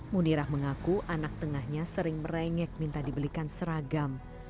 munirah mengaku anak tengahnya sering merengek minta dibelikan seragam